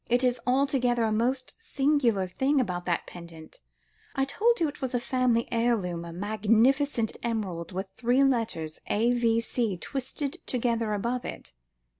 It is altogether a most singular thing about that pendant. I told you it was a family heirloom, a magnificent emerald with three letters A.V.C. twisted together above it."